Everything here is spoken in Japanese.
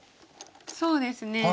そうですね。